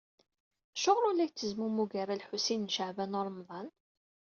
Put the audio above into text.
Acuɣer ur la yettezmumug ara Lḥusin n Caɛban u Ṛemḍan?